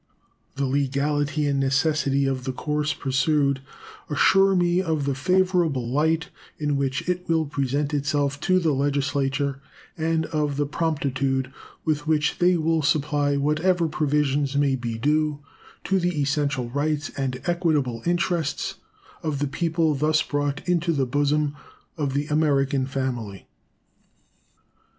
The legality and necessity of the course pursued assure me of the favorable light in which it will present itself to the Legislature, and of the promptitude with which they will supply whatever provisions may be due to the essential rights and equitable interests of the people thus brought into the bosom of the American family.